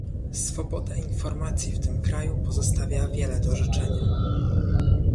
Swoboda informacji w tym kraju pozostawia wiele do życzenia